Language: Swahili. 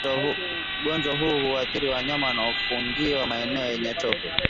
Ugonjwa huu huathiri wanyama wanaofungiwa maeneo yenye tope